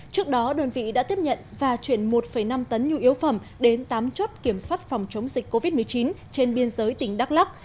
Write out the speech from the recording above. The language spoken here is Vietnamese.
trước đó đơn vị đã tiếp nhận và chuyển một năm tấn nhu yếu phẩm đến tám chốt kiểm soát phòng chống dịch covid một mươi chín trên biên giới tỉnh đắk lắc